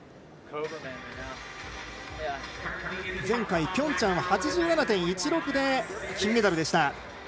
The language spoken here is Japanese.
前回ピョンチャンは８７．１６で金メダルでした。